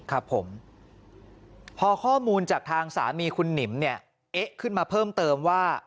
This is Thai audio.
ครับผมพอข้อมูลจากทางสามีคุณหนิมเนี่ยเอ๊ะขึ้นมาเพิ่มเติมว่า